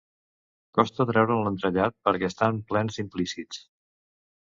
Costa treure'n l'entrellat perquè estan plens d'implícits.